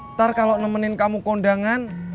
ntar kalau nemenin kamu kondangan